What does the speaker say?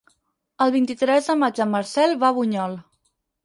El vint-i-tres de maig en Marcel va a Bunyol.